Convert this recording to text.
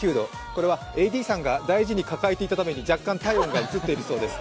これはＡＤさんが大事に抱えていたために若干体温が移っているそうです。